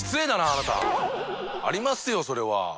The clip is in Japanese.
あなた！ありますよそれは。